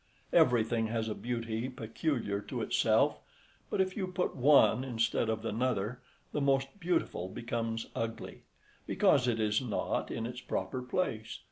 Everything has a beauty peculiar to itself; but if you put one instead of another, the most beautiful becomes ugly, because it is not in its proper place.